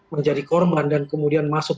menjadi korban dan kemudian masuk